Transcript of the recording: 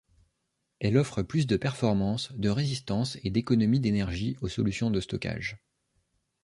Elle offre plus de performances, de résistance et d'économie d'énergie aux solutions de stockage.